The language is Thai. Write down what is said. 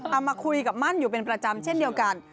เอามาคุยกับมั่นอยู่เป็นประจำเช่นเดียวกัน